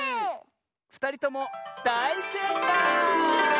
ふたりともだいせいかい！